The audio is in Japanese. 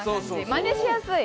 まねしやすい。